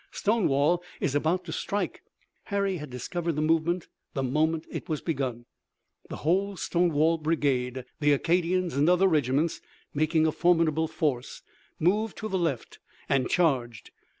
Stonewall is about to strike." Harry had discovered the movement the moment it was begun. The whole Stonewall brigade, the Acadians and other regiments making a formidable force, moved to the left and charged.